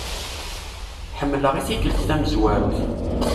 Ḥemlaɣ i-tikelt tamzwarut.